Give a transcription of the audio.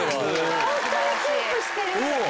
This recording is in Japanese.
ホントにキープしてる。